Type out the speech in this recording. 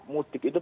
muda mudik itu